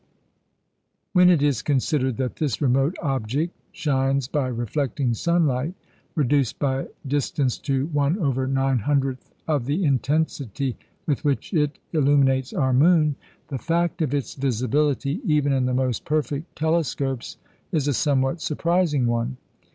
When it is considered that this remote object shines by reflecting sunlight reduced by distance to 1/900th of the intensity with which it illuminates our moon, the fact of its visibility, even in the most perfect telescopes, is a somewhat surprising one.